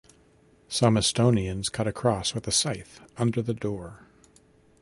Some Estonians cut a cross with a scythe under the door.